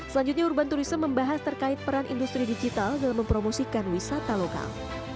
selanjutnya urban tourism membahas terkait peran industri digital dalam mempromosikan wisata lokal